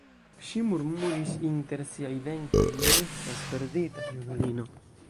Ŝi murmuris inter siaj dentoj: "Mi estas perdita junulino!"